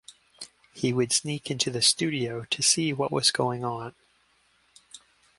He would sneak into the studio to see what was going on.